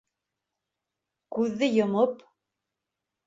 Күҙҙе йомоп